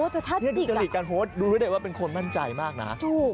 จะหลีกการโพสต์รู้ได้ว่าเป็นคนมั่นใจมากนะ